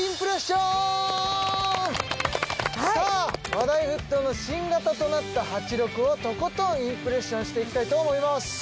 さあ話題沸騰の新型となった８６をとことんインプレッションしていきたいと思います。